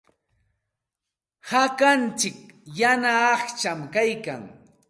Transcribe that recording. Hakantsik yana aqcham kaykan.